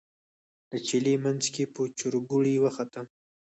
د چلې منځ کې په چورګوړي وختم.